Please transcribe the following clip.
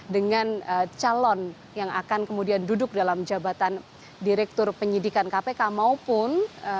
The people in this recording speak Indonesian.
dengan calon yang akan kemudian duduk dalam jabatan direktur penyidikan kpk maupun